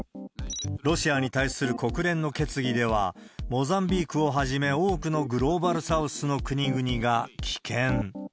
ロシアに対する国連の決議では、モザンビークをはじめ、多くのグローバルサウスの国々が棄権。